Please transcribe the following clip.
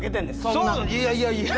そういやいやいや。